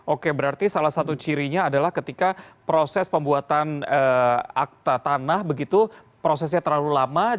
oke berarti salah satu cirinya adalah ketika proses pembuatan akta tanah begitu prosesnya terlalu lama